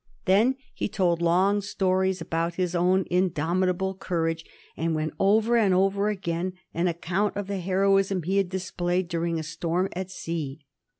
Then he told long stories about his own indomi table courage, and went over and over again an account of the heroism he had displayed during a storm at sea.